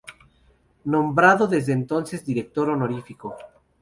Nombrado desde entonces director honorífico.